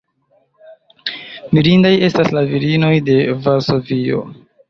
Mirindaj estas la virinoj de Varsovio.